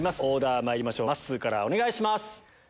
オーダーまいりましょうまっすーからお願いします。